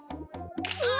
うわ！